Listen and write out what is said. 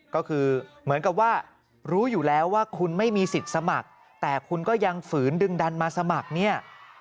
ก็คือเหมือนกับว่ารู้อยู่แล้วว่าคุณไม่มีสิทธิ์สมัครแต่คุณก็ยังฝืนดึงดันมาสมัครเนี่ย